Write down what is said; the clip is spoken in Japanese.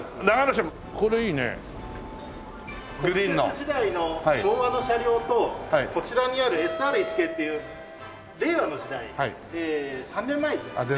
国鉄時代の昭和の車両とこちらにあるＳＲ１系っていう令和の時代３年前にですね